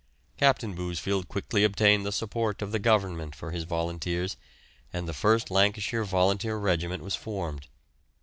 Captain Bousfield quickly obtained the support of the Government for his volunteers, and the 1st Lancashire Volunteer Regiment was formed.